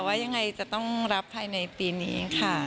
ว่ายังไงจะต้องรับภายในปีนี้ค่ะ